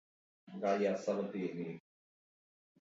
Bestalde, kontzertuek ere leku garrantzitsua beteko dute.